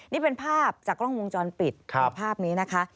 นี่เป็นภาพจากกล้องวงจรปิดภาพนี้นะคะ